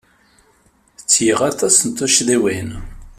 Ttgeɣ aṭas n tuccḍiwin.